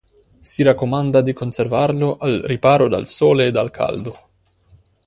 Si raccomanda di conservarlo al riparo dal sole e dal caldo.